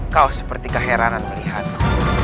kau seperti keheranan melihatku